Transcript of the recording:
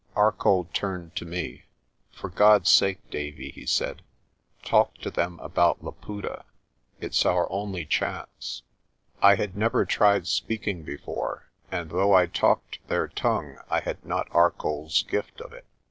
Arcoll turned to me. "For God's sake, Davie," he said, "talk to them about Laputa. It's our only chance." I had never tried speaking before, and though I talked their tongue I had not Arcoll's gift of it.